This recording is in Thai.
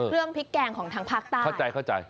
เรื่องพริกแกงของทางภาคใต้